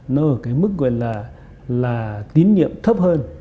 nó ở cái mức gọi là tín nhiệm thấp hơn